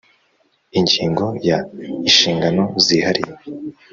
Ingingo ya Inshingano zihariye